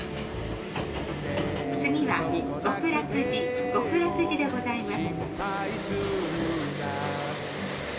次は極楽寺極楽寺でございます。